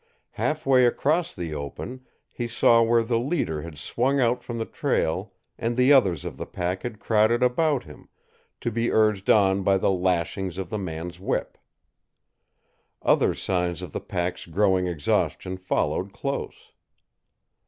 Half way across the open, he saw where the leader had swung out from the trail and the others of the pack had crowded about him, to be urged on by the lashings of the man's whip. Other signs of the pack's growing exhaustion followed close.